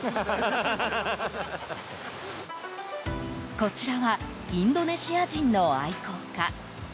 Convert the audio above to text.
こちらはインドネシア人の愛好家。